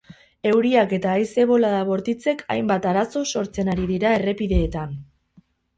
Euriak eta haize bolada bortitzek hainbat arazo sortzen ari dira errepideetan.